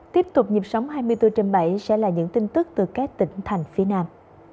tiếp tục nhịp sống hai mươi bốn trên bảy sẽ là những tin tức từ các tỉnh thành phía nam